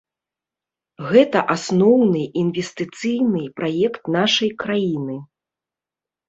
Гэта асноўны інвестыцыйны праект нашай краіны.